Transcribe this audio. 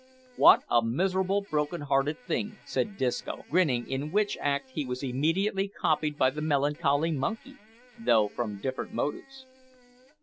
"Wot a miserable, broken hearted thing!" said Disco, grinning, in which act he was immediately copied by the melancholy monkey, though from different motives.